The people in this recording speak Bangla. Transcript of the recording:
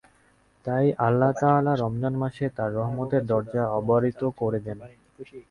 তাই আল্লাহ তাআলা রমজান মাসে তাঁর রহমতের দরজা অবারিত করে দেন।